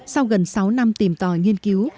sau gần sáu năm tìm tòi nghiên cứu